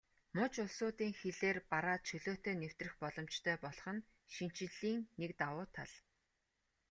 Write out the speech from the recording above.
Муж улсуудын хилээр бараа чөлөөтэй нэвтрэх боломжтой болох нь шинэчлэлийн нэг давуу тал.